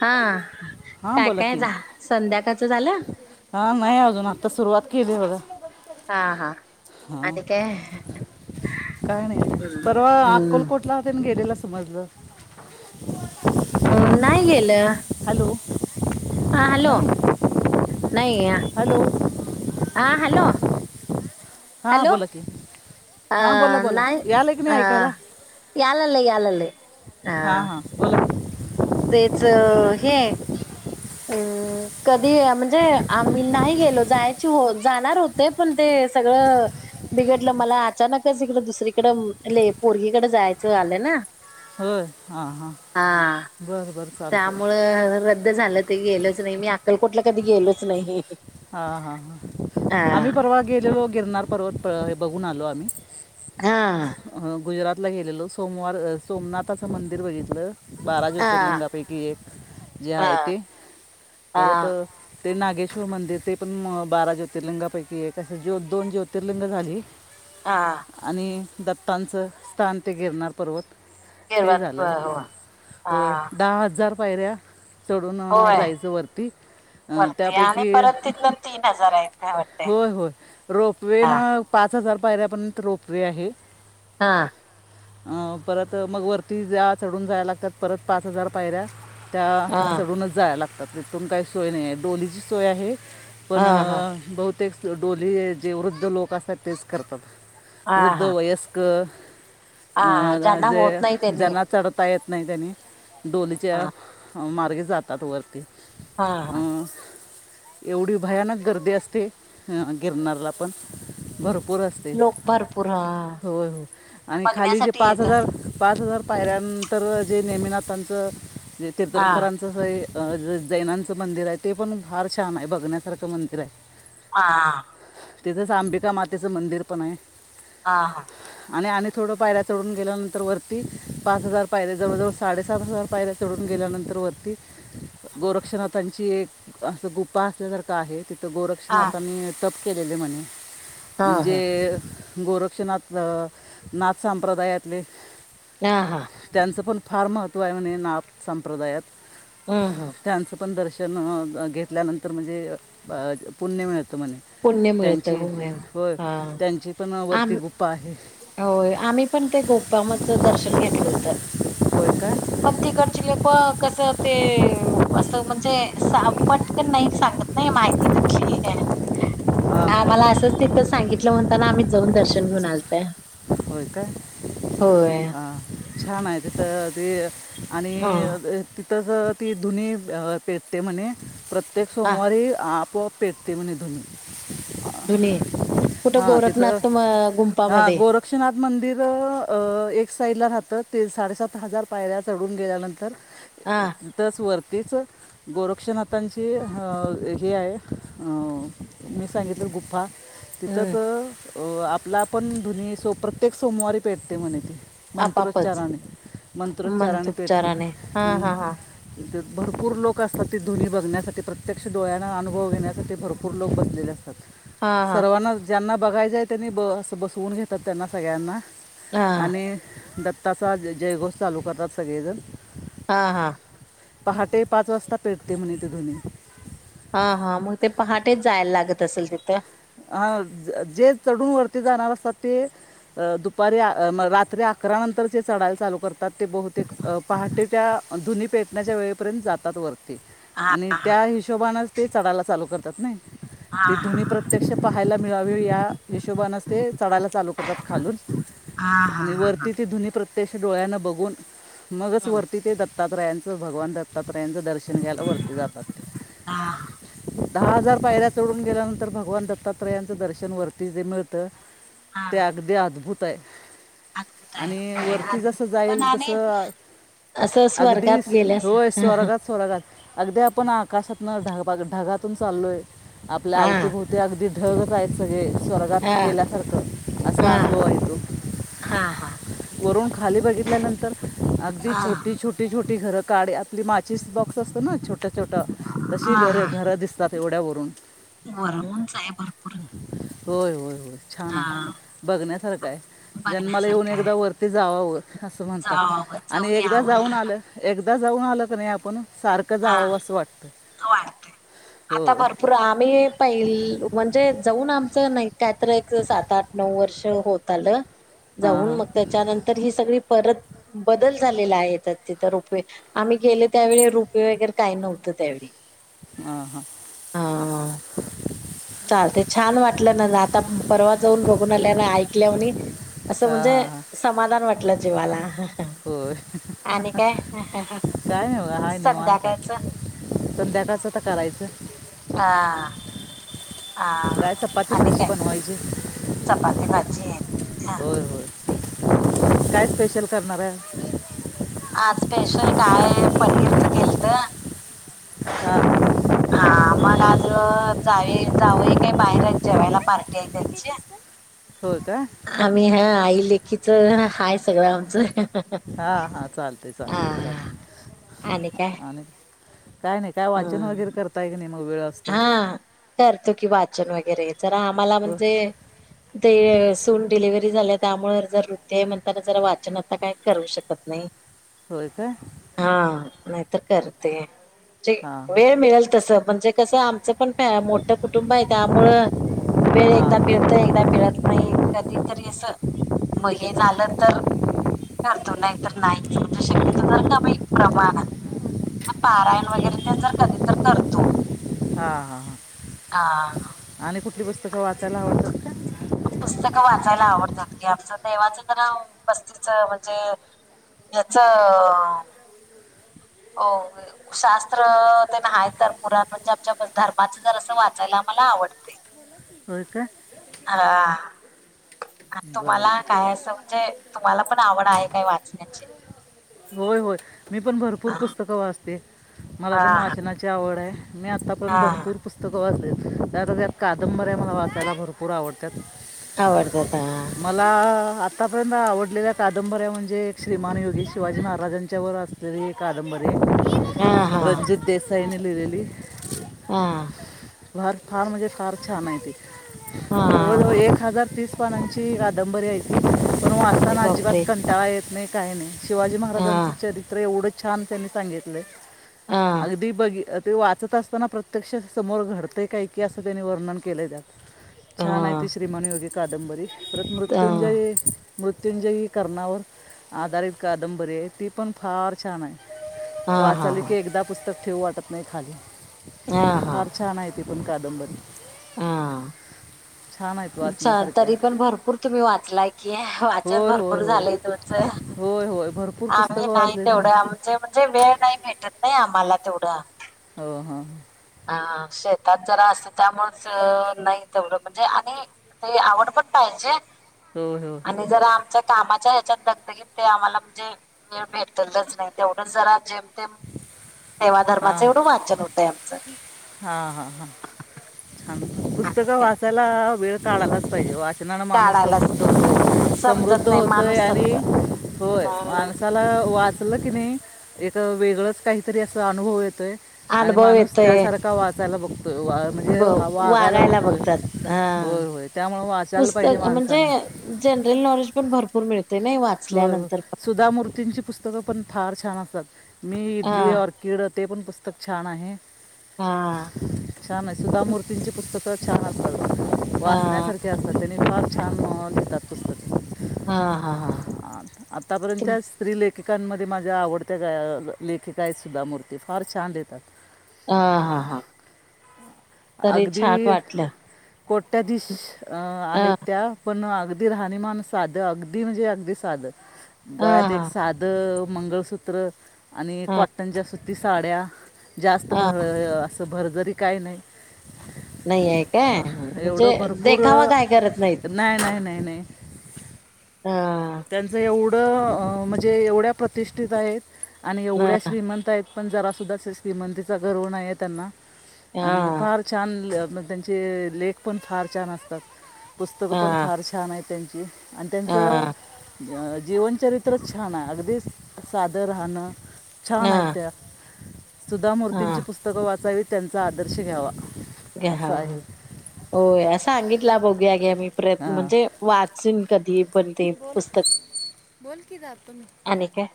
हा हां काय काय झा संध्याकाळच झालं हा नाही अजून आता सुरुवात केली आहे बघा हा हा आणि काय का नाही पर हम्म हम्म अक्कलकोटला गेलेलं समजलं अम नाही गेलं [unintelligible] हा हॅलो नाही हॅलो आ हॅलो हा हॅलो बोला की अ हा बोला बोला आल की नाही ऐकायला आल आल हह हां हां बोला तेच अ हे कधी म्हणजे आम्ही नाही गेलो जायची हो जाणार होते पण ते सगळं बिघडलं मला अचानकच इकडं दुसरीकडं पोरगीकडे जायचं आलं ना होय हां हां हा बरं बरं चालतंय त्यामुळ रद्द झालं गेलोच नाही मी अक्कलकोटला कधी गेलोच नाही हा हा हा आम्ही परवा गेलेलो गिरनार पर्वत बघून आलो आम्ही हा गुजरातला गेलेलो सोमवार सोमनाथाचं मंदिर बघितलं बारा हा ज्योतिर्लिंगापैकी एक जे आहे हा ते हा परत ते नागेश्वर मंदिर ते पण बारा ज्योतिर्लिंगापैकी एक अस जो दोन ज्योतिर्लिंग झाली हा आणि दत्तांचं स्थान ते गीरणार पर्वत ते गिरवत हो झालं हा होय दहा हजार पायऱ्या चढून होय जायचं वरती वरती आणि त्यापैकी परत तिथन तीन हजार आहेत काय वाटते होय होय रोपवे हा ना पाच हजार पाहिऱ्यापर्यंत रोपवे आहे हा अं परत मग वरती चढून जायला लागतात परत पाच हजार पायऱ्या त्या हा चढूनच जा लागतात इथून काही सोय नाही आहे डोलीची सोय आहे पण हा हा बहुतेक डोली जे वृद्ध लोक असतात तेच करतात. हा वृद्ध हा वयस्कर. हा अ ज्यांना होत जे नाही त्यांनी ज्याला चढता येत. नाही त्यांनी हा डोलीच्या मार्गे जातात वरते. हा हा. एवढी भयानक गर्दी असते गिरनला पण भरपूर पुर असते लोक भरपूर हा होय हो आणि खाली जे बघण्यासाठी पाच येत अस हजार पाच हजार पायऱ्यानंतर जे नेमीनाथांचं जे हा तीर्थकारांचं स अ जैनांचं मंदिर आहे ते पण फार छान आहे बघण्यासारखं मंदिर आहे हा. तिथंच अंबिका मातेचं मंदिर पण आहे. हा हा. आणि थोडा पायऱ्या चढून गेल्यानंतर वरती पाच हजार पायऱे जवळजवळ साडेसात हजार पायऱ्या चढून गेले. गेल्यानंतर वरती गोरक्षांची एक अस गुप पा असल्यासारखा आहे तिथे हा गोरक्षनाथांनी जप केलेले म्हण. जे हा गोरक्षनाथ नाथ संप्रदायातले हा हा. त्यांचं पण फार महत्वा आहे म्हणे नाप संप्रदायात हम्म हम्. त्यांचं पण दर्शन घेतल्यानंतर म्हणजे पुण्य मिळत. म्हणे पुण्य मिळतं त्यांची होय व त्यांची पण वरती गुप्पा आहे. हो आम्ही पण ते गोमच दर्शन घेतलं होतं. होय काय पण तिकडज लोक कस ते असं म्हणजे सापटकन नाही सांगत नाही माहिती देखील. हां हा हां मला असंच तिथं सांगितलं म्हणताना आम्ही जाऊन दर्शन घेऊन आलो. होय काय होय अ छान आहे तिथ ते. आणि अ तिथंच ती धुनी पिळते म्हणे. प्रत्येक हा सोमवारी आपोआप पेटते म्हणे धुणि. धुणे कुठं तिथं गोरखनाथ हां गुंपामध्ये गोरक्षनाथ मंदिर अ एक साइड ला राहतं ते साडेसात हजार पायऱ चढून गेल्यानंतर. हा तिथेच वर. तीच गोरक्षनाथांची हे आहे मी सांगितलं गुफ्फा. हम्म तिथंच आपला पण धुनी प्रत्येक सोमवारी पेटते म्हणे त. आपापच मंत्रोच्चाराने मंत्रोच्चाराने पेटते. मनसुपचाराने हा हा हा भरपूर लोक असतात ती धुनी बघण्यासाठी प्रत्यक्ष डोळ्यांना अनुभव घण्या ते भरपूर लोक बसलेले असतात हा हा सर्वांना ज्यांना बघायचं आहे त्यांनी असं बसवून घेतात. त्यांना सगळ्यांना हा आणि दत्ताचा जयघोष चालू करतात सगळेजण. हा हा. पहाटे पाच वाजता पेटते म्हणे ते धुनि. हा हा मग ते पहाटेच जायला लागत असेल तिथं. हा जे चढून वरती जाणार असतात ते. अ दुपारी रात्री अकरा नंतरचे चढायला चालू करतात. ते बहुतेक पहाटे त्या धुनी पेटण्याच्या वेळेपर्यंत जातात वर. हा आणि त्या हिशोबनेच ते चढायला चालू करतात नाही ते धुनी हा प्र क्षा पाहायला मिळावी या हिशोबाने नचते. चढायला चालू करतात खालून हा हा आणि हा हा वरती ती धुनी प्रत्यक्ष डोळ्यानं बघून. मगच हं. वरती ते दत्तात्रायांचं भगवान दत्त, दत्तात्रेयांचे दर्शन घ्यायला वरती जातात. हा दहा हजार पायऱ्या चढून गेल्यानंतर भगवान दत्तात्रयांचं दर्शन वरती च मिळतं. हा ते हा. अगदी अद्भुत आहे. अद्भुत आहे आणि होय वरती जसं अद्भुत पण जाईल आणि तसं असं अगदीस स्वर्गात गेल्यास होय हा स्वरागात स्वरागात अगदी आपण आकाशातन ढग ढगातून चाललोय आपल्या आवती हा भवती अगदी ढगच आहेत सगळे स्वर्गात हा गेल्यासारखं असा हा अनुभव आहे तो हा हा वरून खाली बघितल्यानंतर अगदी हा छोटी छोटी छोटी घरात काडी आपली माचीस बॉक्स असतो ना छोट्या छोट्या तशी हा घर घर दिसतात एवढ्या वरून वर्मोंस आहे भरपूर होय होय होय छान हा आहे बघण्यासारखं आहे जन्माला येऊन बघण्यासारखं आहे एकदा वरती जावाव असं म्हणतात जाऊ आणि जाऊन एकदा यावं जाऊन आलं एकदा जाऊन आल कोणी आपण सारखं हा जावावं असं वाटतं वाटतय आता होय भरपूर आम्ही पहि म्हणजे जाऊन आमच नाही काय तर एक सात आठ नऊ वर्ष होत आलं हां जाऊन हां मंग त्यांच्यानंतर ही सगळी परत बदल झालेला आहे तिथं रुपवेल आम्ही गेले त्यावेळी रूप रूप वगैरे काही नव्हतं त्यावेळीं हां हां हा चाल ते छान वाटलं ना ना आता पर्वा जाऊन बघून आल्या ना ऐकल्यावानी असं हां म्हणजे हां हां समाधान वाटलं जीवाला होय आणि काय. काय हवा हाय निवांत संध्याकाळचं संध्या तसं कशाल करायचं हा हा काय चपाती आणि भाजी काय बनवायची चपाती भाजी हा होय होय काय स्पेशल करणारं आहे आज स्पेशल काय पनीरचं केलंत हा हा मग आज जावे जावय काय बाहेर जेवायला पार्टी आहे त्यांची होय का आम्ही हा आई लेखीच हाय सगळं आमचं हा हा चालते चालते हा. चालते आणि काय आणि काय नाहीं काय वाचन वगैरे हम्म करताय क नाही मग वेळ असते हा करतो कि वाचन वगैरे जरा आम्हांला हो म्हणजे ते सून डिलिव्हरी झाल्यात त्यामुळे जर हृदय म्हणताना जरा वाचन आता कांहीं करू शकतं नाहीं होयका य नाहीतर करते हां जे मिळेल तसं म्हणजे कसं आमचं पणं मोठं कुटुंब आहे त्यामुळं हां वेळ एकदा हां मिळतं एकदा मिळतं नाहीं कधी तरी असं म हे झालं तर करतो नाहीं तर नाहीं म्हणजे शक्यता जर काबाई प्रमाणात पारायण वगैरे ते जर कधी तर करतों हा हा ह आणि कुठली पुस्तकें वाचायला आवडतं तातं पुस्तकं वाचायला आवडतात कि आमचं देवाचं जरा बस्तीच म्हणजे याच हो शास्त्र त्यांना तर पुराणं चरच्या नाही तर धर्माचजर असं वाचायला मला आवडते होय का हा बरं तुम्हांला काय असं म्हणजे तुम्हांला पणं आवड आहे काय वाचण्याची होय होय मी पणं भरपूर हा पुस्तकं वाचते मला पणं हा वाचनाची आवड आहे. मी आत्तापर्यंत हा भरपूर पुस्तकं वाचलेत त्यात कादंबऱ्या मला वाचायला भरपूर आवडतात. आवडतात. मला आत्तापर्यंत आवडलेल्या कादंबऱ्यां म्हणजे एक श्रीमान योगी शिवाजी महाराजांच्यावर असलेली कादंबरी हा हा फईनली दीली हा भाग फार म्हणजे फार छान आहे ते हा जवळजवळ हा एक हजार तीस पानांची कादंबरी आहेती पणं अरे वाचताना अजिबात बापरे कंटाळा येत नाहीं कांहीं नाही शिवाजी हा महाराजांचं चरित्र एवढं छान त्यांनीं सांगितलं हा अगदी बघी ते वाचत असताना प्रत्यक्षात समोर घडतं आहे का की असं त्यांनीं वर्णन केलं जातं हा हा छान आहे ती श्रीमान योगी कादंबरी परत हा मृत्यूंजय मृत्युंजयी कर्णावर आधारित कादंबरी आहे ती पणं फार छान आहेत हा वाचाली की एकदा पुस्तकं ठेवू वाटतं नाहीं खाली हा हा पणं कादंबरी हा. छान आहेत वाचण्यास चा- तरी पणं भरपूर तूम्ही वाचलाय की वाचन होय होय भरपूर होय झालंय तुमचं होय होय भरपूर आम्ही पुस्तकं नाहीं वाचलेत मी तेवढं म्हजे म्हणजे वेळ नाहीं भेटतं नाहीं आम्हांला तेवढं हो ह ह शेतात जरा असत त्यामुळेच नाही तेवढं म्हणजे आणि ते आवड पण पाहि- विज्या होय होय आणि जरा आमच्या- कामाच्या ह्याच्यात दगदगीत ते आम्हाला म्हणजे वेळ भेटतच नाही तेवढं जरा जे- सेवा धर्माचं एवढं वाचन होतय आमचं. हा हा हा छान आणि पुस्तकं काय वाचायला वेळ काढायलाच पाहिजे वा- णारा माणूस काढायलाच समृद्ध होतो समजत समृद्ध नाही होतोय माणूस आणि समजत होय अ माणसाला वाच- ल की नाही एक वेगळच काहीतरी अस अनुभव येतोय आणि अनुभव माणूस येतोय त्यासारखा वा- चला बघतोय त वा ब म्हणजे वागायला बघतोय बघतात हा होय होय त्यामुळं वाचायला पाहिजे पुस्तक म्हणजे माणसानं. जनरल नॉलेज पण भरपूर मिळते नाही हो हो वाचल्यानंतर पण सुधा मूर्तींची पुस्तकं पण फार छान असतात मी हा इडली ऑर्किड ते पण पुस्तक छान आहे. हा छान आहे सुुधा मूर्तींची पुस्तकं, खूप छान असतात हा वाचण्यासारखे असतात त्यांने फार छान लिहातात पुस्तक. हा हा हा आतापर्यंत स्त्रीलेख- लेखिकांमध्ये माझ्या आवडत्या ग लेखिका आहेत सुधा मूर्ती फार छान लिहतात. अ हां हा तरी छान वाटलं कोटट्याधीश ह आहेत त्या पण, अगदी राहणीमान साध अगदी म्हणजे अगदी साध हा गळ्यात हा एक साध मंगळसूत्र आणि हा कॉटनच्या सुती साड्या जास्त हा भळ अस- असं भर जरी काही नाही. [unintelligible] नाही आहे काय एवढं म्हणजे, भरपूर देखावा अ, काय करत नाहीत. नाही नाही नाही नाही हा त्यांचं एवढं म्हणजे एवढ्या प्रतिष्ठित आहेत आणि ह एवढ्या श्रीमंत आहेत. पण जरा सुद्धा श्रीमंतीचा गर्व नाही त्यांना आणि हा फार छान. मग त्यांचे लेख पण फार छान असतात पुस्तकं हा पण फार छान आहेत त्यांची- आणि हा त्यांचं जीवनचरित्र छान आहे अगदी साधं राहणं. छान हा आहेत त्या. हा सुधामूर्तींची पुस्तकं वाचावीत त्यांचा आदर्श घ्यावा. असं आहे हो सांगितलं बघुया की. मी प्रयत्न म्हणजे हां वाचन कधी- पण ते पुस्तक आणि काय?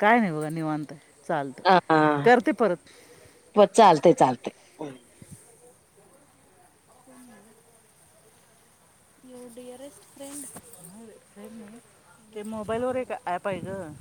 काय नाही बघा निवांत आहे चालत हा करते परत. प चालते चालते यु डिअरेस्ट फ्रेंड ते मोबाईलवरर एक ॲप आहे ग